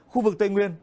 khu vực tây nguyên